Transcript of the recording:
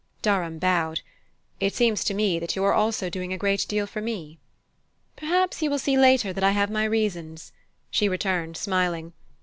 Durham bowed. "It seems to me that you are also doing a great deal for me." "Perhaps you will see later that I have my reasons," she returned smiling.